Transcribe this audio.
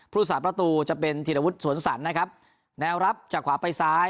สาประตูจะเป็นธีรวุฒิสวนสันนะครับแนวรับจากขวาไปซ้าย